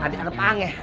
tadi ada pangih